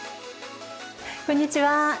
こんにちは。